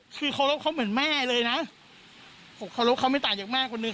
คือเคารพเขาเหมือนแม่เลยนะผมเคารพเขาไม่ต่างจากแม่คนนึง